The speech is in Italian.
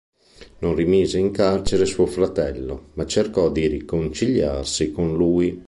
Non rimise in carcere suo fratello ma cercò di riconciliarsi con lui.